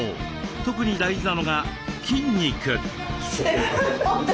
特に大事なのが筋肉。